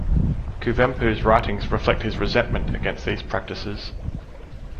Kuvempu's writings reflect his resentment against these practices.